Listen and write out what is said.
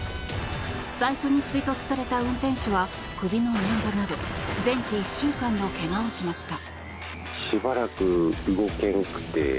最初に追突された運転手は首の捻挫など全治１週間のけがをしました。